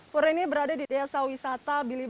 pura ini berada di desa wisata bilebante